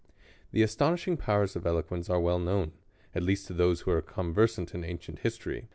The astonishing powers of eloquence are well knovsrn, at least to those who are conversant in ancient history.